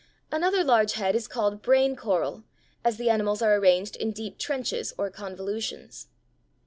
Another large head is called brain coral, as the animals are arranged in deep trenches or convolutions.